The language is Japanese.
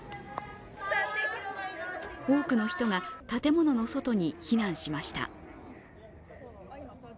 多くの人が建物の外に避難しました。